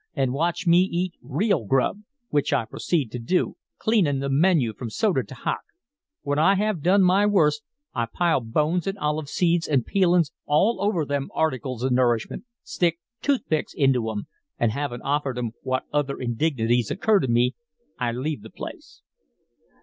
an' watch me eat REAL grub,' which I proceed to do, cleanin' the menu from soda to hock. When I have done my worst, I pile bones an' olive seeds an' peelin's all over them articles of nourishment, stick toothpicks into 'em, an' havin' offered 'em what other indignities occur to me, I leave the place."